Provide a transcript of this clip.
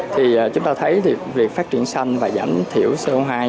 thì chúng ta thấy thì việc phát triển xanh và giảm thiểu co hai